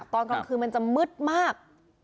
ตอนกลางคืนมันจะมืดมาก